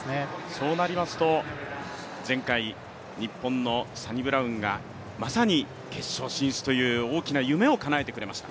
そうなりますと、前回、日本のサニブラウンがまさに決勝進出という大きな夢をかなえてくれました。